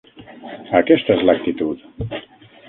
Aquesta és l'actitud!